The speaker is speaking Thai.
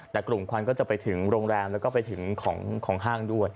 แต่กลุ่มควันก็จะไปถึงโรงแรมแล้วก็ไปถึงของห้างด้วย